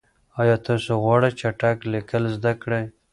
آیا تاسو غواړئ چټک لیکل زده کړئ؟